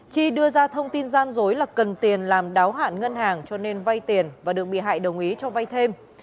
chi đưa ra thông tin gian dối là cần tiền làm đáo hạn ngân hàng cho nên vay tiền và được bị hại đồng ý cho vay thêm